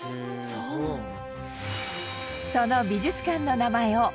そうなんだ。